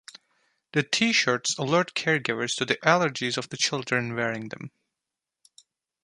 The T-shirts alert caregivers to the allergies of the children wearing them.